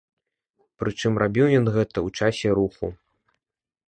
Прычым рабіў ён гэта у часе руху.